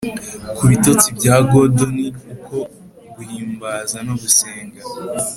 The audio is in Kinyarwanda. ku bitotsi bya gordon, uko guhimbaza no gusenga